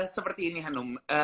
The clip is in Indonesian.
seperti ini hanum